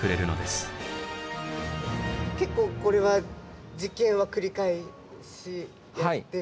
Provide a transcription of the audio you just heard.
結構これは実験は繰り返しやってる？